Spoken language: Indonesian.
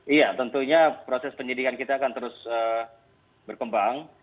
iya tentunya proses penyidikan kita akan terus berkembang